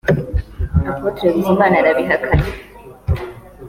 Apôtre Bizimana arabihakana